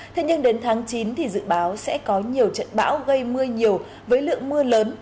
thế nhưng đến tháng chín thì dự báo sẽ có nhiều trận bão gây mưa nhiều với lượng mưa lớn